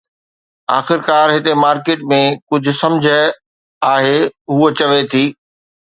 آخرڪار هتي مارڪيٽ ۾ ڪجهه سمجھ آهي، هوء چوي ٿي